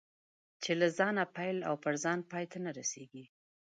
چې له ځانه پیل او پر ځان پای ته نه رسېږي.